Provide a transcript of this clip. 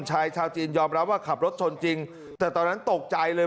ชายชาวจีนยอมรับว่าขับรถชนจริงแต่ตอนนั้นตกใจเลย